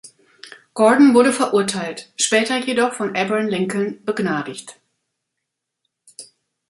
Gordon wurde verurteilt, später jedoch von Abraham Lincoln begnadigt.